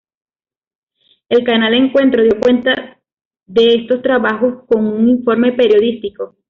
El canal Encuentro dio cuenta de estos trabajos con un informe periodístico.